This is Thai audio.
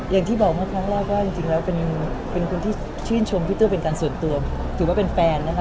อย่างที่บอกเมื่อครั้งแรกว่าจริงแล้วเป็นคนที่ชื่นชมพี่เตอร์เป็นการส่วนตัวถือว่าเป็นแฟนนะคะ